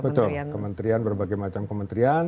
betul kementerian berbagai macam kementerian